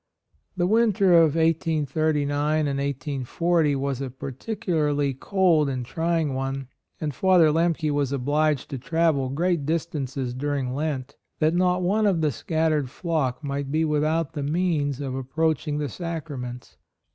The winter of 1839 and 1840 was a particularly cold and trying one, and Father Lemke was obliged to travel great distances during Lent, that not one of the scattered flock might be without the means of ap proaching the sacraments.